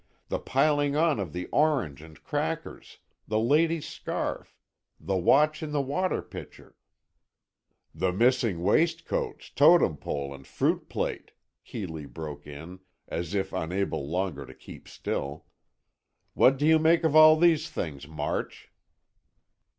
The piling on of the orange and crackers, the lady's scarf, the watch in the water pitcher——" "The missing waistcoats, Totem Pole, and fruit plate," Keeley broke in, as if unable longer to keep still. "What do you make of all these things, March?"